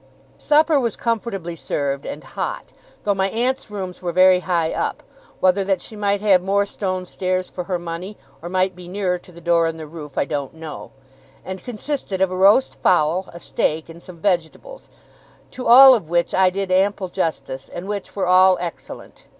Supper was comfortably served and hot, though my aunt's rooms were very high up whether that she might have more stone stairs for her money, or might be nearer to the door in the roof, I don't know and consisted of a roast fowl, a steak, and some vegetables, to all of which I did ample justice, and which were all excellent.